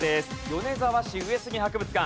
米沢市上杉博物館。